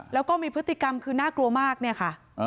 แล้วก็มีพฤติกรรมคือน่ากลัวมากเนี่ยค่ะ